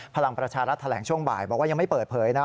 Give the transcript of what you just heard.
พลังประชารัฐแถลงช่วงบ่ายบอกว่ายังไม่เปิดเผยนะ